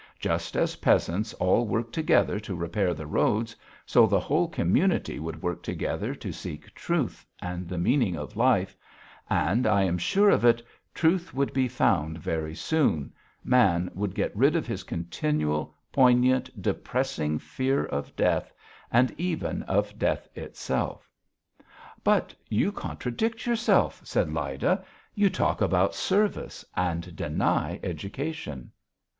Just as peasants all work together to repair the roads, so the whole community would work together to seek truth and the meaning of life, and, I am sure of it truth would be found very soon, man would get rid of his continual, poignant, depressing fear of death and even of death itself." "But you contradict yourself," said Lyda. "You talk about service and deny education."